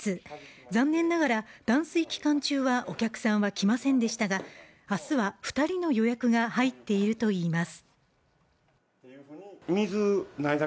残念ながら断水期間中はお客さんは来ませんでしたが、明日は２人の予約が入っているといいます。